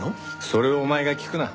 それをお前が聞くな。